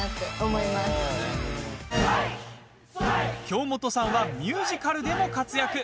京本さんはミュージカルでも活躍。